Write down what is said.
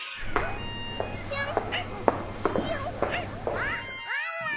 あワンワン！